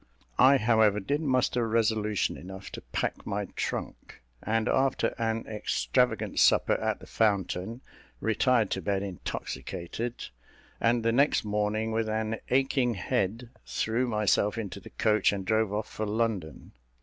I, however, did muster resolution enough to pack my trunk; and, after an extravagant supper at the Fountain, retired to bed intoxicated, and the next morning, with an aching head, threw myself into the coach and drove off for London.